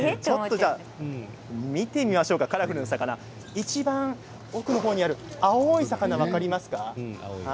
見てみましょうかカラフルな魚いちばん奥の方にある青い魚、分かりますか？